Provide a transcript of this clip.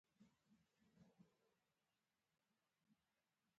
د تاریخ د حساسو مقطعو په جریان کې ناکام شول.